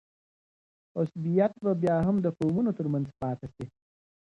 عصبیت به بیا هم د قومونو ترمنځ پاته سي.